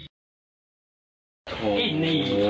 ช่วยถ่ายรูปด้วย